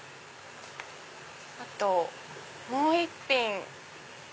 あともう１品。